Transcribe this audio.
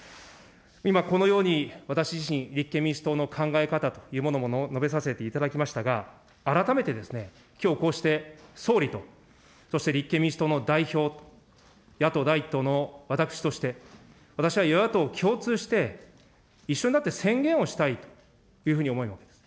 今、このように私自身、立憲民主党の考え方というものも述べさせていただきましたが、改めて、きょう、こうして総理と、そして立憲民主党の代表、野党第１党の私として、私は与野党共通して、一緒になって宣言をしたいというふうに思います。